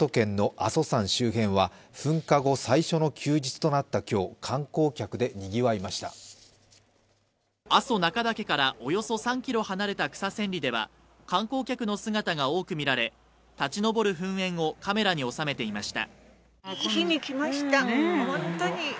阿蘇・中岳からおよそ３ｋｍ離れた草千里では観光客の姿が多く見られ立ち上る噴煙をカメラに収めていました。